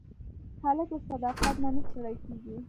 هلک له صداقت نه نه ستړی کېږي.